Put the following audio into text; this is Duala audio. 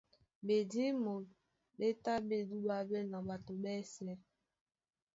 Ɓedímo ɓé tá ɓé dúɓáɓɛ́ na ɓato ɓɛ́sɛ̄.